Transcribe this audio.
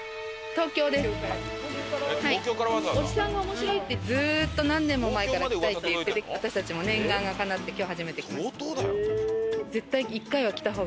おじさんが面白いってずーっと何年も前から来たいって言ってて私たちも念願が叶って今日初めて来ました。